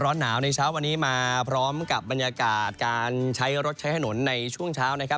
ร้อนหนาวในเช้าวันนี้มาพร้อมกับบรรยากาศได้การใช้บนรถใช้โหมดในช่วงเช้า